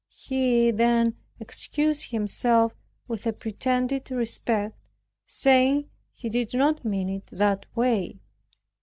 He then excused himself with a pretended respect, saying, he did not mean it that way.